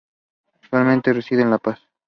Actualmente reside en La Paz.